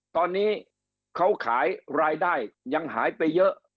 ตอนนี้เขาขายรายได้ยังหายไปเยอะ